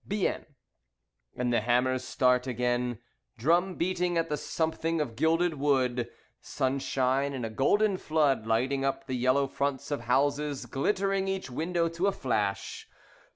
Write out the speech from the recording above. "Bien." And the hammers start again, Drum beating at the something of gilded wood. Sunshine in a golden flood Lighting up the yellow fronts of houses, Glittering each window to a flash.